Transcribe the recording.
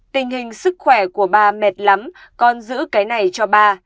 tình hình sức khỏe của ba mệt lắm con giữ cái này cho ba